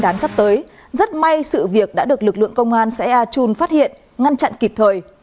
nguyên đán sắp tới rất may sự việc đã được lực lượng công an xã ea chun phát hiện ngăn chặn kịp thời